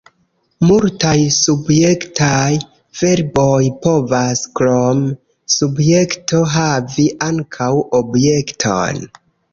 Multaj subjektaj verboj povas krom subjekto havi ankaŭ objekton.